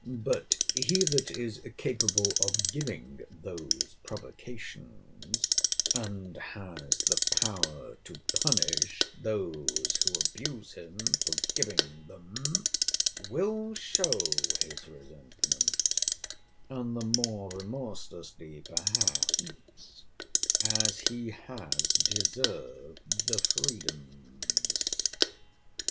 But he that is capable of giving those provocations, and has the power to punish those who abuse him for giving them, will show his resentment; and the more remorselessly, perhaps, as he has deserved the freedoms.